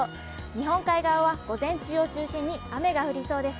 日本海側は午前中を中心に雨が降りそうです。